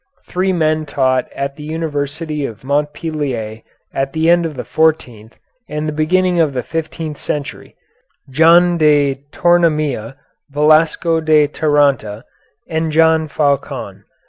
Three men taught at the University of Montpellier at the end of the fourteenth and the beginning of the fifteenth century, John de Tornamira, Valesco de Taranta, and John Faucon.